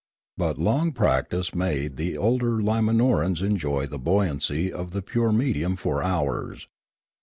But long practice made the older Limanorans enjoy the buoyancy of the pure medium for hours.